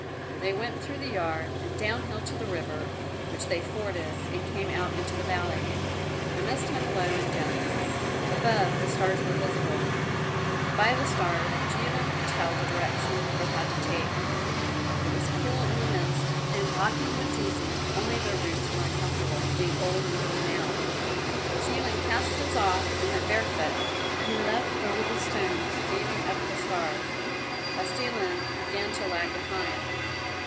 They went through the yard and downhill to the river which they forded and came out into the valley. The mist hung low and dense; above, the stars were visible. By the stars Jilin could tell the direction they had to take. It was cool in the mist and walking was easy, only their boots were uncomfortable, being old and worn out. Jilin cast his off and went bare foot. He leapt over the stones, gazing up at the stars. Kostilin began to lag behind.